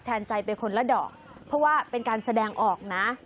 ใจไปคนละดอกเพราะว่าเป็นการแสดงออกนะ